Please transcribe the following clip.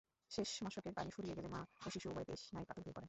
শেষে মশকের পানি ফুরিয়ে গেলে মা ও শিশু উভয়ে তৃষ্ণায় কাতর হয়ে পড়েন।